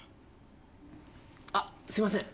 あっすみません！